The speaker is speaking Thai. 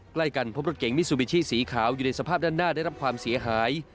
ใกล้กันพบรถเก๋งมิซูบิชิสีขาวอยู่ในสภาพด้านหน้าได้รับความเสียหาย